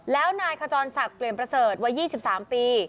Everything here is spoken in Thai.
แล้วนายขจรศักดิ์เปลี่ยนประเสริฐวัย๒๓ปี